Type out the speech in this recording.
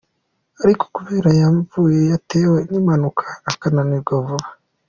Ariko kubera ya mvune yatewe n’impanuka akananirwa vuba.